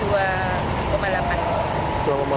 ya kurang lebih dua delapan